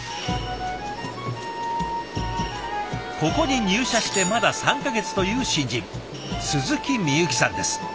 ここに入社してまだ３か月という新人鈴木深友紀さんです。